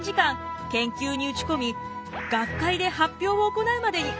研究に打ち込み学会で発表を行うまでに。